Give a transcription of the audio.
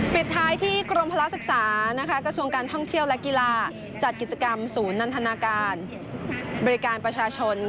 ปิดท้ายที่กรมพละศึกษากระทรวงการท่องเที่ยวและกีฬาจัดกิจกรรมศูนย์นันทนาการบริการประชาชน